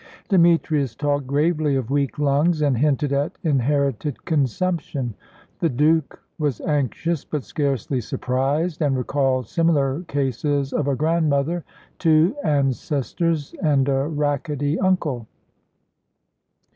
Demetrius talked gravely of weak lungs, and hinted at inherited consumption. The Duke was anxious, but scarcely surprised, and recalled similar cases of a grandmother, two ancestors, and a rackety uncle.